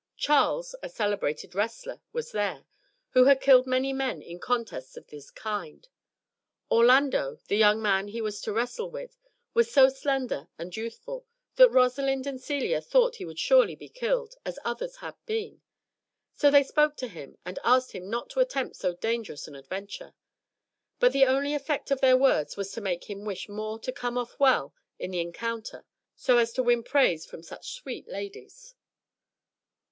Charles, a celebrated wrestler, was there, who had killed many men in contests of this kind. Orlando, the young man he was to wrestle with, was so slender and youthful, that Rosalind and Celia thought he would surely be killed, as others had been; so they spoke to him, and asked him not to attempt so dangerous an adventure; but the only effect of their words was to make him wish more to come off well in the encounter, so as to win praise from such sweet ladies.